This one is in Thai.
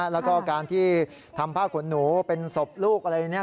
แล้วก็การที่ทำผ้าขนหนูเป็นศพลูกอะไรอย่างนี้